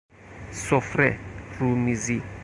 سفره، رومیزی